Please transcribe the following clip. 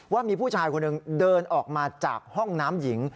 ว่ามีผู้ชายคนหนึ่งเดินออกมาจากห้องน้ำหญิง